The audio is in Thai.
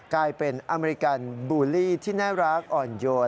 กลายเป็นอเมริกันบูลลี่ที่น่ารักอ่อนโยน